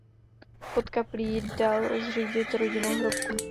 Pod kaplí dal zřídit rodinnou hrobku.